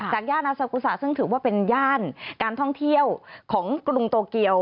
ย่านอาซากุศะซึ่งถือว่าเป็นย่านการท่องเที่ยวของกรุงโตเกียว